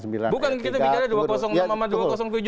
bukan kita bicara dua ratus enam sama dua ratus tujuh